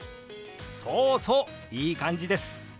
そうそういい感じです！